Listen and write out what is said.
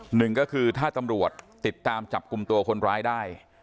หนึ่งก็คือถ้าตำรวจติดตามจับกลุ่มตัวคนร้ายได้